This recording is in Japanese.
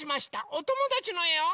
おともだちのえを。